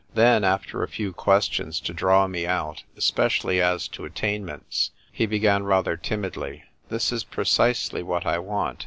Then, after a few ques tions to draw me out, especially as to attain ments, he began rather timidly. "This is precisely what I want.